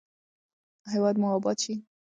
هیواد مو اباد شي.